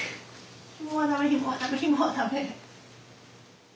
ひもは駄目ひもは駄目ひもは駄目。